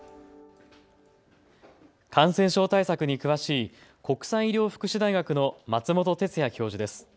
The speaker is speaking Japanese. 感染症対策に詳しい国際医療福祉大学の松本哲哉教授です。